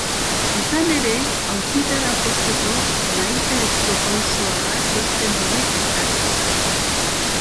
Izan ere, auzitara jotzeko nahitaezko pausoa da txosten hori eskatzea.